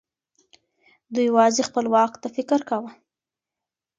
دوی يوازې خپل واک ته فکر کاوه.